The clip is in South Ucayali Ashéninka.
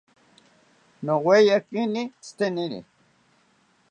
Yoweyakini tzitenini